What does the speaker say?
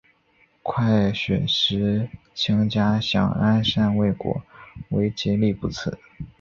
快雪时晴佳想安善未果为结力不次。